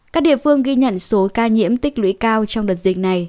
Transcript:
các địa phương ghi nhận số ca nhiễm tích lũy cao trong đợt dịch này